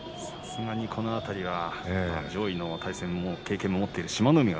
さすがにこの辺りは上位の対戦の経験も持っている志摩ノ